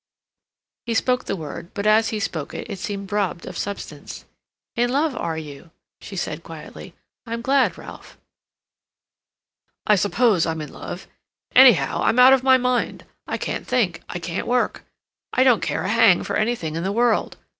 He spoke the word, but, as he spoke it, it seemed robbed of substance. "In love, are you?" she said quietly. "I'm glad, Ralph." "I suppose I'm in love. Anyhow, I'm out of my mind. I can't think, I can't work, I don't care a hang for anything in the world.